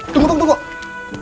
tunggu tunggu tunggu